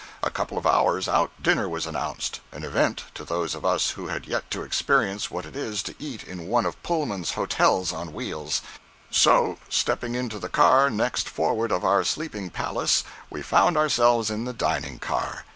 A couple of hours out, dinner was announced—an "event" to those of us who had yet to experience what it is to eat in one of Pullman's hotels on wheels; so, stepping into the car next forward of our sleeping palace, we found ourselves in the dining car.